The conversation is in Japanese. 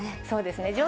そうですね。